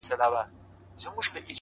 لوړ همت د خنډونو قد ټیټوي!